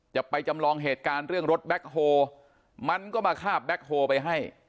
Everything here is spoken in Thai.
จะไปจำลองเหตุการณ์เรื่องรถแบ็คโฮมันก็มาคาบแบ็คโฮลไปให้